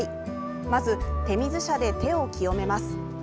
まず手水舎で手を清めます。